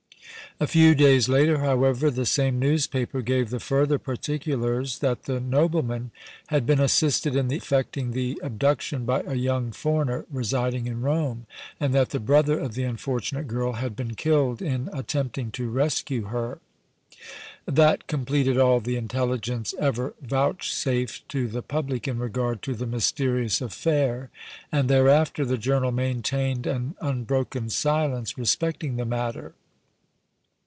A few days later, however, the same newspaper gave the further particulars that the nobleman had been assisted in effecting the abduction by a young foreigner residing in Rome, and that the brother of the unfortunate girl had been killed in attempting to rescue her. That completed all the intelligence ever vouchsafed to the public in regard to the mysterious affair, and thereafter the journal maintained an unbroken silence respecting the matter.